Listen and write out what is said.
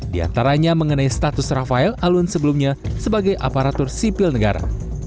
di antaranya mengenai status rafael alun sebelumnya sebagai aparatur sipil negara